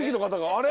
あれ？